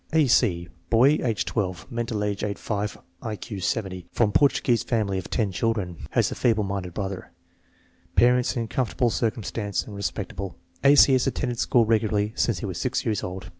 A. C. Boy, age 12; mental age 8 5; I Q 70. From Portuguese family of ten children. Has a feeble minded brother. Parents in comfortable circumstances and respectable. A. C. has attended school regularly since he was 6 years old.